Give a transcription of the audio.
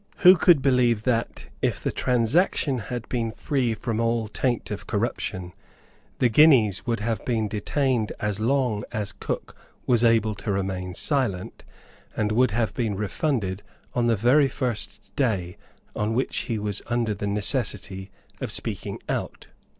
Who could believe that, if the transaction had been free from all taint of corruption, the guineas would have been detained as long as Cook was able to remain silent, and would have been refunded on the very first day on which he was under the necessity of speaking out?